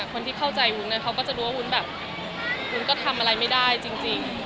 คนที่เข้าใจวุ้นเขาก็จะรู้ว่าวุ้นแบบวุ้นก็ทำอะไรไม่ได้จริง